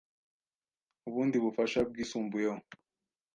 ubundi bufasha bwisumbuyeho